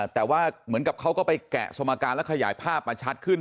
แต่ว่าเหมือนกับเขาก็ไปแกะสมการแล้วขยายภาพมาชัดขึ้น